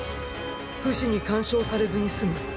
フシに干渉されずに済む。